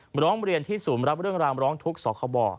มรองเรียนที่สูมลับเรื่องรามร้องทุกข์ศคบ